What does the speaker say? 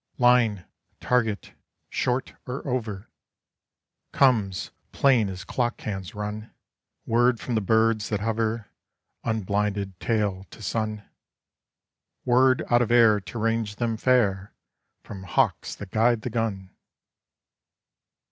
Line target short or over Comes, plain as clock hands run, Word from the birds that hover, Unblinded, tail to sun Word out of air to range them fair, From hawks that guide the gun!